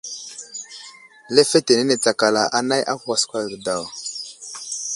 Lefetenene tsakala anay a kwaskwa ge daw.